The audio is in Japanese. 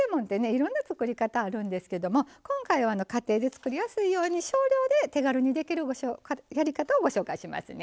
いろんな作り方あるんですけども今回は家庭で作りやすいように少量で手軽にできるやり方をご紹介しますね。